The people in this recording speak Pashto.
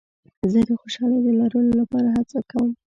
زه د خوشحالۍ د لرلو لپاره هڅه کوم.